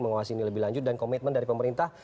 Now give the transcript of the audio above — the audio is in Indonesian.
mengawasi ini lebih lanjut dan komitmen dari pemerintah